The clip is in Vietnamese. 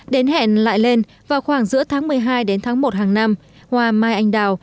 đến hẹn lại lên vào khoảng giữa tháng một mươi hai đến tháng một hàng năm hoa mai anh đào